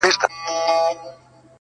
• مور بې وسه ده او د حل لاره نه ويني..